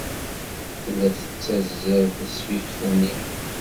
Tella tessazzal tasfift-nni.